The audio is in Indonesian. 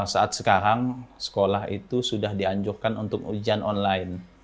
saat sekarang sekolah itu sudah dianjurkan untuk ujian online